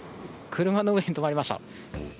車の上に止まりました。